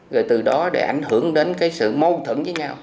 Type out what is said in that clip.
rồi từ đó để ảnh hưởng đến sự mô thẩn với nhau